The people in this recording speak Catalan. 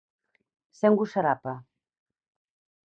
Ser una gusarapa.